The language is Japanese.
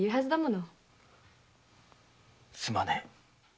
すまねえ。